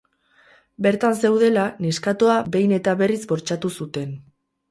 Bertan zeudela, neskatoa behin eta berriz bortxatu zuten.